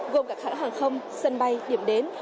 gồm các hãng hàng không sân bay điểm đến